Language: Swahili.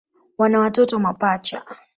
Wana watoto mapacha.